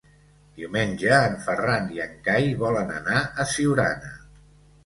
Diumenge en Ferran i en Cai volen anar a Siurana.